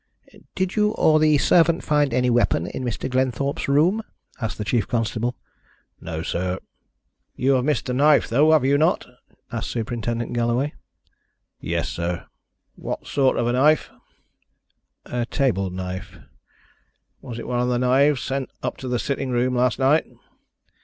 "Did you or the servant find any weapon in Mr. Glenthorpe's room?" asked the chief constable. "No, sir." "You have missed a knife though, have you not?" asked Superintendent Galloway. "Yes, sir." "What sort of a knife?" "A table knife." "Was it one of the knives sent up to the sitting room last night?"